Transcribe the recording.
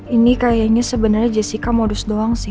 ini kayaknya sebenarnya jessica modus doang sih